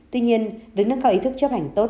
tuy nhiên với nước cao ý thức chấp hành tốt